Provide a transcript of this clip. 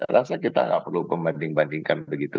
rasa kita nggak perlu membanding bandingkan begitu